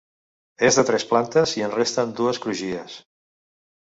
És de tres plantes i en resten dues crugies.